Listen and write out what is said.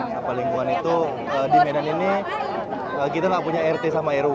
sampah lingkungan itu di medan ini kita nggak punya rt sama rw